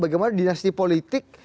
bagaimana dinasti politik